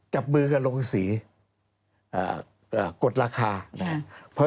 จับมือกันลงสีกดราคานะครับ